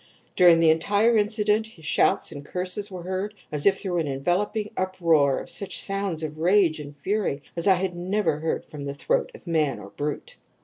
During the entire incident his shouts and curses were heard, as if through an enveloping uproar of such sounds of rage and fury as I had never heard from the throat of man or brute!